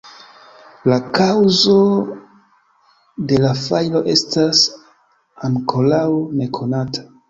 La kaŭzo de la fajro estas ankoraŭ nekonata.